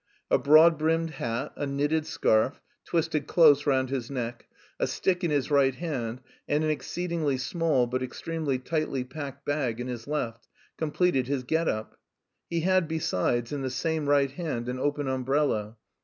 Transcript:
A broad brimmed hat, a knitted scarf, twisted close round his neck, a stick in his right hand, and an exceedingly small but extremely tightly packed bag in his left, completed his get up. He had, besides, in the same right hand, an open umbrella.